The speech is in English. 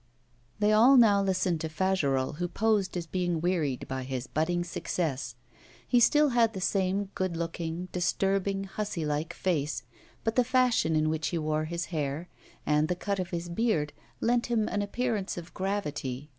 They all now listened to Fagerolles, who posed as being wearied by his budding success. He still had the same good looking, disturbing hussy like face, but the fashion in which he wore his hair and the cut of his beard lent him an appearance of gravity.